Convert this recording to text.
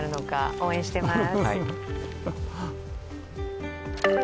応援しています。